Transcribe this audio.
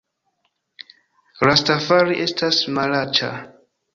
Rastafari estas malaĉa